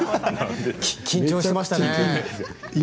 緊張していましたね。